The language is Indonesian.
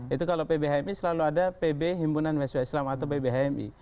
itu kalau pb hmi selalu ada pb himpunan mahasiswa islam atau pb hmi